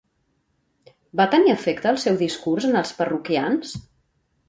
Va tenir efecte el seu discurs en els parroquians?